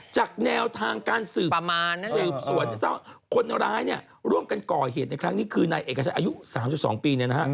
จากแนวทางการสืบสวนเศร้าคนร้ายร่วมกันก่อเหตุในครั้งนี้คือนายเอกชัยอายุ๓๒ปี